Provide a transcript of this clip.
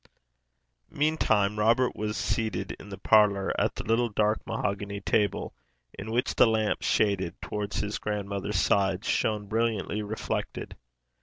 Meantime Robert was seated in the parlour at the little dark mahogany table, in which the lamp, shaded towards his grandmother's side, shone brilliantly reflected.